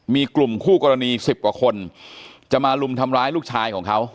มีกลุ่มคู่กรณี๑๐กว่าคนจะมาลุมทำร้ายลูกชายของเขา